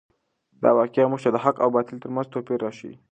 دا واقعه موږ ته د حق او باطل تر منځ توپیر راښیي.